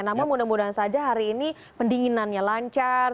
namun mudah mudahan saja hari ini pendinginannya lancar